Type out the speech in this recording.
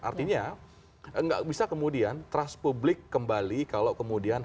artinya nggak bisa kemudian trust publik kembali kalau kemudian